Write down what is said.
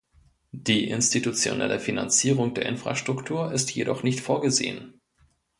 Die institutionelle Finanzierung der Infrastruktur ist jedoch nicht vorgesehen.